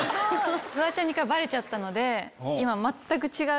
フワちゃんにバレちゃったので。